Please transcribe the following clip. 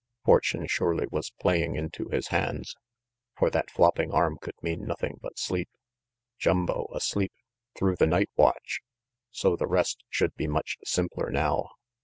Fortune surely was playing into his hands, for that flopping arm could mean nothing but sleep. Jumbo asleep, through the night watch! So the rest should be much simpler now.